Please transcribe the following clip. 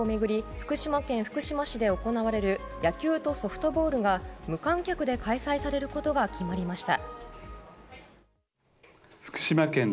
福島県福島市で行われる野球とソフトボールが無観客で開催されることが決まりました。